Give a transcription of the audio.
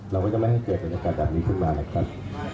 เราก็จะไม่ให้เกิดบรรยากาศแบบนี้ขึ้นมานะครับ